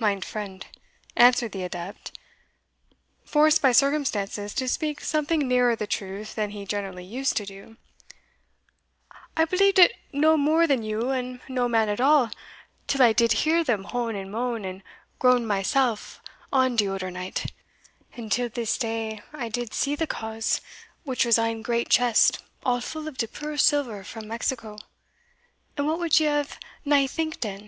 "Mein friend," answered the adept, foreed by circumstances to speak something nearer the truth than he generally used to do, "I believed it no more than you and no man at all, till I did hear them hone and moan and groan myself on de oder night, and till I did this day see de cause, which was an great chest all full of de pure silver from Mexico and what would you ave nae think den?"